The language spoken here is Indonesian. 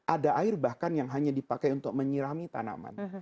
ada air bahkan yang hanya dipakai untuk menyirami tanaman